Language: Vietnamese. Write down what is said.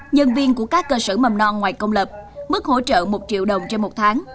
nhân viên của các cơ sở mầm non ngoài công lập mức hỗ trợ một triệu đồng trên một tháng